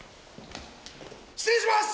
失礼します！